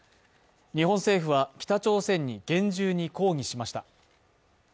日本政府は北朝鮮に厳重に抗議しました。